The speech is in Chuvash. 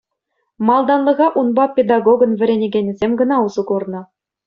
Малтанлӑха унпа педагогӑн вӗренекенӗсем кӑна усӑ курнӑ.